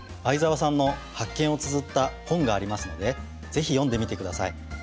相沢さんの発見をつづった本がありますのでぜひ読んでみてください。